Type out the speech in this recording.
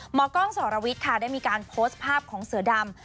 หมอกล้องสรวิทย์ค่ะได้มีการโพสต์ภาพของเสือดำ